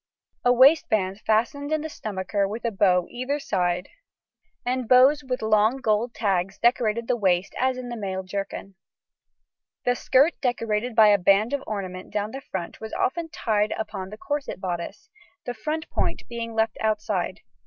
A waistband fastened in the stomacher with a bow either side and bows with long gold tags decorated the waist as in the male jerkin. The skirt decorated by a band of ornament down the front was often tied upon the corset bodice, the front point being left outside.